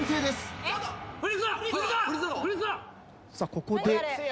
ここで。